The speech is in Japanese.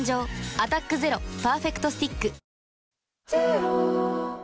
「アタックＺＥＲＯパーフェクトスティック」